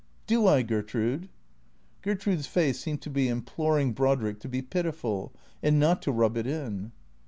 "Do I, Gertrude?" Gertrude's face seemed to be imploring Brodrick to be pitiful^ and not to rub it in.